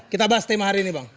kita bahas tema hari ini bang